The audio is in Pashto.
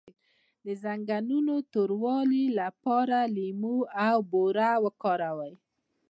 د زنګونونو د توروالي لپاره لیمو او بوره وکاروئ